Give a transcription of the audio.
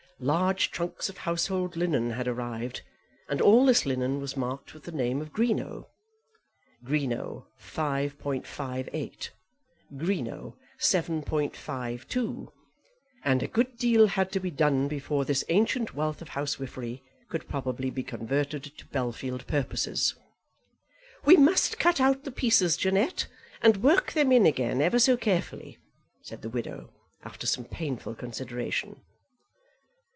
Large trunks of household linen had arrived, and all this linen was marked with the name of Greenow; Greenow, 5.58; Greenow, 7.52; and a good deal had to be done before this ancient wealth of housewifery could probably be converted to Bellfield purposes. "We must cut out the pieces, Jeannette, and work 'em in again ever so carefully," said the widow, after some painful consideration.